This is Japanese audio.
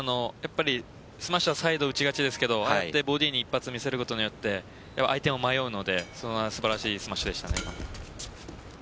スマッシュはサイドに打ちがちですがボディーに一発に打てることによって相手は迷うので素晴らしいスマッシュでしたね。